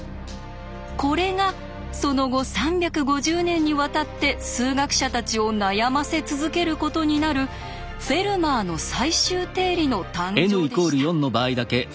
これがその後３５０年にわたって数学者たちを悩ませ続けることになる「フェルマーの最終定理」の誕生でした。